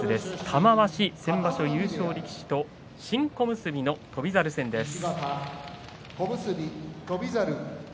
玉鷲、先場所優勝力士と新小結の翔猿戦です。